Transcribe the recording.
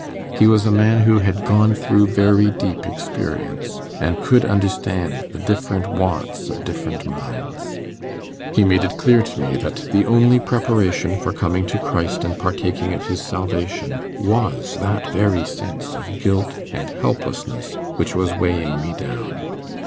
He was a man who had gone through very deep experience, and could understand the different wants of different minds. He made it clear to me that the only preparation for coming to Christ and partaking of his salvation, was that very sense of guilt and helplessness which was weighing me down.